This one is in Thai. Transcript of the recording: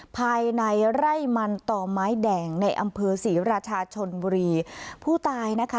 ภายในไร่มันต่อไม้แดงในอำเภอศรีราชาชนบุรีผู้ตายนะคะ